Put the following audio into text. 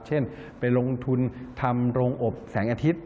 เช่นไปลงทุนทำโรงอบแสงอาทิตย์